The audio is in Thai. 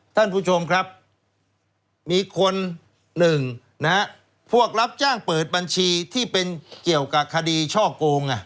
ท่านผู้ชมครับมีคนหนึ่งนะฮะพวกรับจ้างเปิดบัญชีที่เป็นเกี่ยวกับคดีช่อโกง